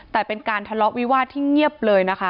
แต่เป็นการทะเลาะวิวาสที่เงียบเลยนะคะ